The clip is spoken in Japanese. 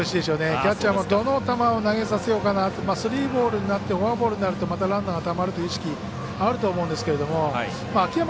キャッチャーもどの球を投げさせようかなとスリーボールになってフォアボールになるとまたランナーがたまるという意識あると思うんですけど秋山